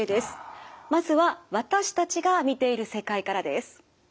まずは私たちが見ている世界からです。